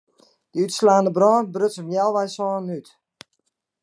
De útslaande brân bruts om healwei sânen út.